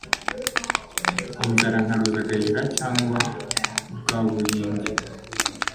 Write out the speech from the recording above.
inzara nka Ruzagayura cyangwa Rwabuyenge